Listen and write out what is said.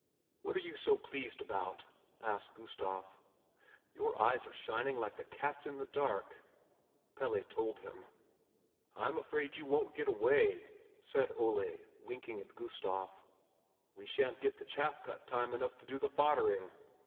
"What are you so pleased about?" asked Gustav. "Your eyes are shining like the cat's in the dark." Pelle told him. "I'm afraid you won't get away!" said Ole, winking at Gustav. "We shan't get the chaff cut time enough to do the foddering.